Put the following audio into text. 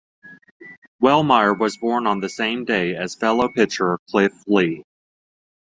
Wellemeyer was born on the same day as fellow pitcher Cliff Lee.